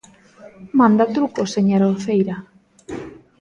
¡Manda truco, señora Uceira!